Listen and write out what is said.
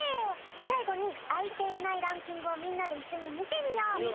さいごにあいていないランキングをみんなでいっしょにみてみよう！